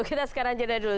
kita sekarang jeda dulu